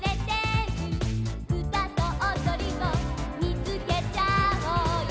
「うたとおどりを見つけちゃおうよ」